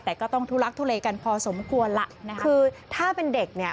แต่ก็ต้องทุลักทุเลกันพอสมควรล่ะนะคะคือถ้าเป็นเด็กเนี่ย